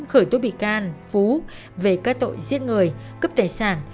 khởi tố bị can phú về các tội giết người cướp tài sản